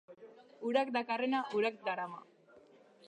Urak dakarrena, urak darama.